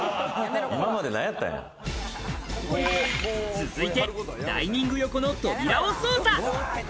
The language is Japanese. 続いて、ダイニング横の扉を捜査！